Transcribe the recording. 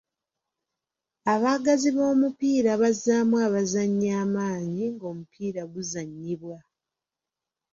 Abaagazi b'omupiira bazzaamu abazannyi amaanyi ng'omupiira guzannyibwa.